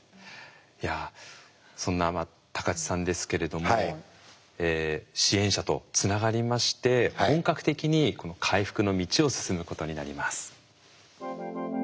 いやそんな高知さんですけれども支援者とつながりまして本格的に回復の道を進むことになります。